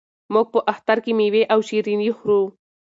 موږ په اختر کې مېوې او شیریني خورو.